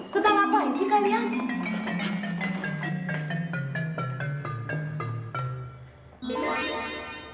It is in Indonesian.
setelah apa sih kalian